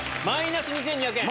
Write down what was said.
マイナスや！